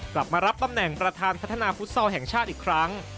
กลับมารับตำแหน่งประธานพัฒนาฟุตซอลแห่งชาติอีกครั้ง